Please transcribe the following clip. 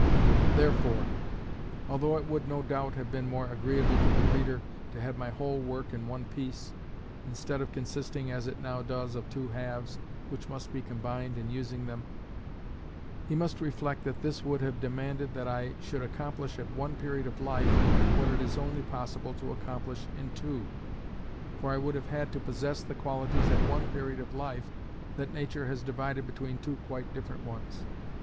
Therefore, although it would, no doubt, have been more agreeable to the reader to have my whole work in one piece, instead of consisting, as it now does, of two halves, which must be combined in using them, he must reflect that this would have demanded that I should accomplish at one period of life what it is only possible to accomplish in two, for I would have had to possess the qualities at one period of life that nature has divided between two quite different ones.